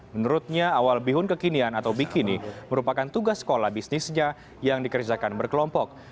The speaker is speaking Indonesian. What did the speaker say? menurutnya awal bihun kekinian atau bikini merupakan tugas sekolah bisnisnya yang dikerjakan berkelompok